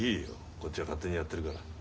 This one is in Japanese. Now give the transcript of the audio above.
こっちは勝手にやってるから。